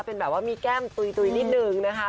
เป็นแบบว่ามีแก้มตุ๋ยนิดนึงนะคะ